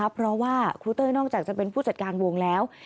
เพราะว่าครูเต้ยนอกจากจะเป็นผู้จัดการวงแล้ว